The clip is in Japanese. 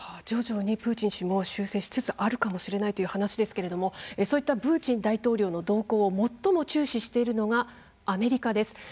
徐々にプーチン氏も修正しつつあるかもしれないという話ですけれどもそういったプーチン大統領の動向を最も注視しているのがアメリカです。